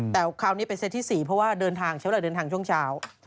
แต่คราวนี้เป็นเซตที่๔เพราะว่าเดินทางใช้เวลาเดินทางช่วงเช้า